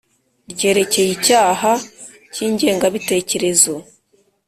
Ryerekeye icyaha cy ingengabitekerezo